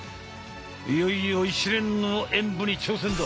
いよいよ一連の演武に挑戦だ！